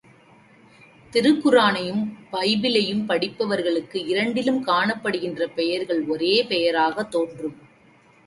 திருக்குர்ரானையும் பைபிளையும் படிப்பவர்களுக்கு இரண்டிலும் காணப்படுகின்ற பெயர்கள் ஒரே பெயராகத் தோன்றும்.